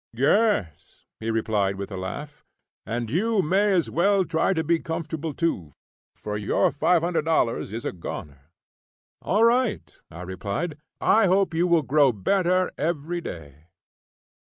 "Yes," he replied, with a laugh; "and you may as well try to be comfortable too, for your $500 is a goner." "All right," I replied; "I hope you will grow better every day."